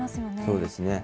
そうですね。